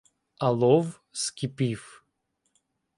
Алов скипів: